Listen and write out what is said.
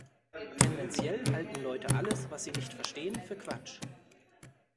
Tendenziell halten Leute alles, was sie nicht verstehen, für Quatsch.